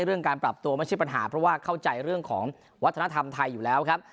เรื่องการปรับตัวไม่ใช่ปัญหาเพราะว่าเข้าใจเรื่องของวัฒนธรรมไทยอยู่แล้วครับ